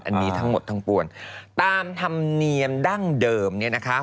อันนี้ทั้งหมดทั้งปวนตามธรรมเนียมดั้งเดิมเนี่ยนะคะ